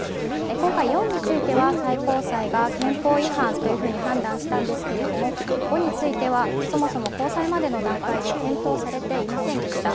今回、４については、最高裁が憲法違反というふうに判断したんですけれども、５については、そもそも高裁までの段階で検討されていませんでした。